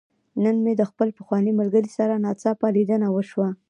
نن مې د خپل پخواني ملګري سره ناڅاپه ليدنه وشوه.